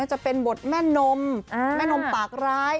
จะเป็นบทแม่นมแม่นมปากร้าย